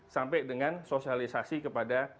sampai dengan sosialisasi kepada